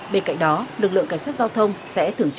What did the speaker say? bên cạnh đó lực lượng cảnh sát giao thông sẽ thưởng thức